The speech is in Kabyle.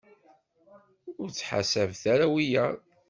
Ur ttḥasabet ara wiyaḍ.